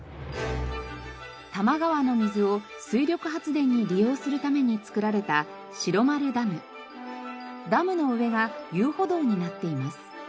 多摩川の水を水力発電に利用するために造られたダムの上が遊歩道になっています。